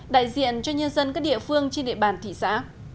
đại diện cho nhân dân các địa phương trên địa bàn thị xã